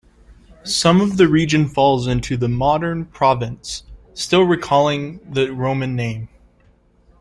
Some of the region falls into modern Provence, still recalling the Roman name.